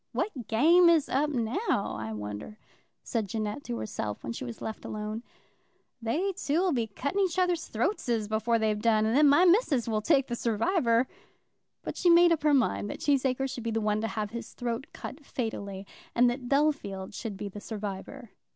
"What game is up now, I wonder," said Jeannette to herself, when she was left alone. "They two'll be cutting each other's throatses before they've done, and then my missus will take the surwiver." But she made up her mind that Cheesacre should be the one to have his throat cut fatally, and that Bellfield should be the survivor.